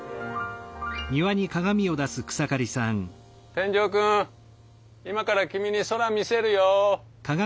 天井くん今から君に空見せるよ。